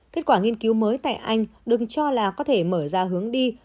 kết quả nghiên cứu mới tại anh đừng cho là có thể mở ra hướng đi